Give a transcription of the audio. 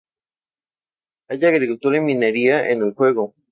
Hay agricultura y minería en el juego.